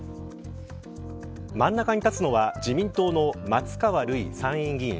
真ん中に立つのは自民党の松川るい参院議員。